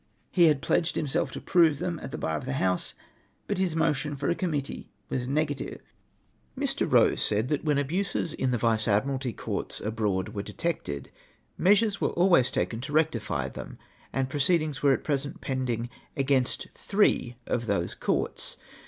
He had pledged himself to prove them at the Ijar of the House, but his motion for a committee was negatived. VOL. II. 0 194 MY RErLY. "Mr. Eose said that when abuses in the Vice AdmiraUy Courts a])road were detected, measures were always taken to rectify them, and proceedings were at present pending against three of those courts.